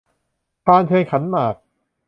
พานเชิญขันหมาก